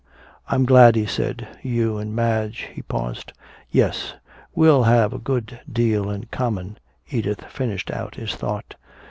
"I'm glad," he said. "You and Madge " he paused. "Yes, we'll have a good deal in common," Edith finished out his thought.